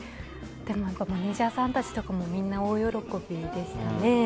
マネジャーさんたちもみんな大喜びでしたね。